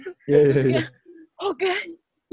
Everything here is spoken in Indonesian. terus kayak oh god